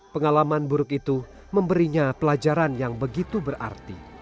pengalaman buruk itu memberinya pelajaran yang begitu berarti